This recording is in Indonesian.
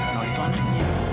nur itu anaknya